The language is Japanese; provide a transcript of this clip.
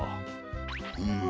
うむ。